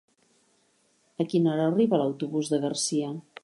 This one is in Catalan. A quina hora arriba l'autobús de Garcia?